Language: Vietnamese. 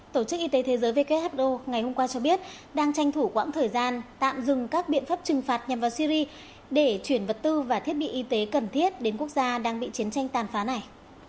tổ chức y tế thế giới who ngày hôm qua cho biết đang tranh thủ quãng thời gian tạm dừng các biện pháp trừng phạt nhằm vào syri để chuyển vật tư và thiết bị y tế cần thiết đến quốc gia đang bị chiến tranh tàn phá này